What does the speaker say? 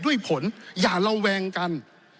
ด้วยผลอย่าระแวงกัน